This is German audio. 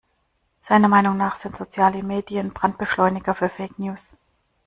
Seiner Meinung nach sind soziale Medien Brandbeschleuniger für Fake-News.